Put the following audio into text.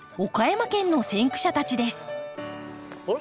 あれ？